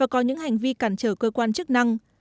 để càn trở cơ quan chức năng